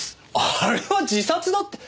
あれは自殺だって。